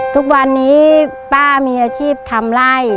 ทุกวันนี้ป้ามีอาชีพทำไล่